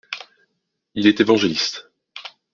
Il est évangéliste.